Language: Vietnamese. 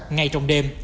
ngay trong đêm